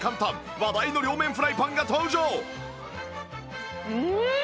話題の両面フライパンが登場